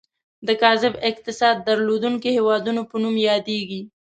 د کاذب اقتصاد درلودونکي هیوادونو په نوم یادیږي.